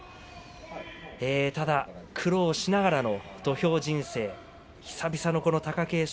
ただ苦労しながらの土俵人生、久々の貴景